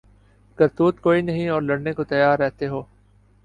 کرتوت کوئی نہیں اور لڑنے کو تیار رہتے ہو